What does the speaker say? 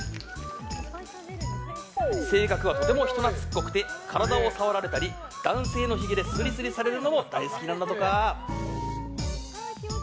性格は、とても人懐っこくて体を触られたり男性のひげでスリスリされるのも大好きなんだとか。